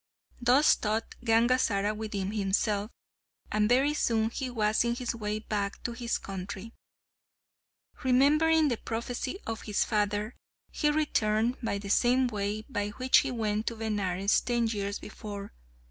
Thus thought Gangazara within himself, and very soon he was on his way back to his country. Remembering the prophecy of his father he returned by the same way by which he went to Benares ten years before.